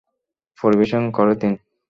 পরিবেশন করে দিন।